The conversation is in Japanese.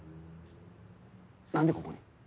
何でここに？